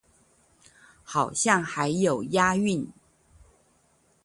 好像還有押韻